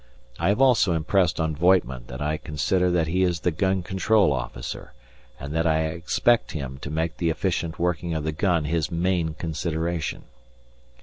I have also impressed on Voigtman that I consider that he is the gun control officer, and that I expect him to make the efficient working of the gun his main consideration.